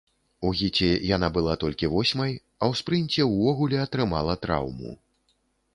У гіце яна была толькі восьмай, а ў спрынце ўвогуле атрымала траўму.